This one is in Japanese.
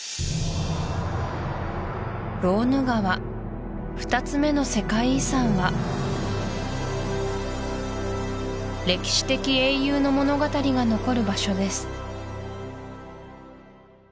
ローヌ川２つ目の世界遺産は歴史的英雄の物語が残る場所です